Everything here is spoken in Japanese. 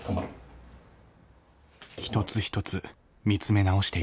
一つ一つ見つめ直していた。